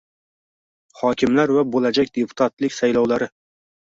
Hokimlar va bo‘lajak deputatlik saylovlari